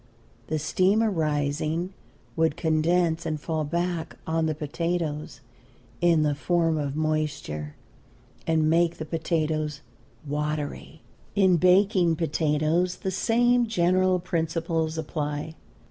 The steam arising would condense, and fall back on the potatoes in the form of moisture, and make the potatoes watery. In baking potatoes, the same general principles apply.